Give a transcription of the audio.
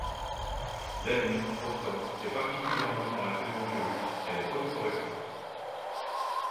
La nuit, pourtant, et particulièrement dans la saison du rut, elle est phosphorescente.